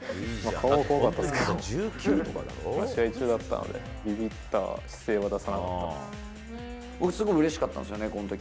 顔は怖かったですけど、試合中だったので、びびった姿勢は出さな僕、すごくうれしかったんですよね、このとき。